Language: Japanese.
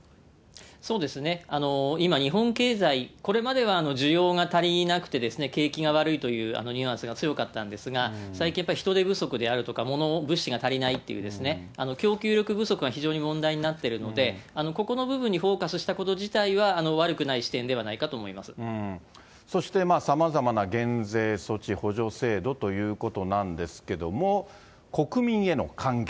そうですね、今、日本経済、これまでは需要が足りなくて、景気が悪いというニュアンスが強かったんですが、最近、やっぱり人手不足とか物、物資が足りないというですね、供給力不足が非常に問題になってるので、ここの部分にフォーカスしたこと自体は悪くない視点ではないかとそしてさまざまな減税措置、補助制度ということなんですけども、国民への還元。